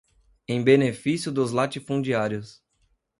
em benefício dos latifundiários